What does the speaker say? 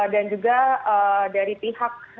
dan juga dari pihak